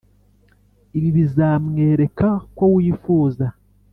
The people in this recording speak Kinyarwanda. ibi bizamwereka ko wifuza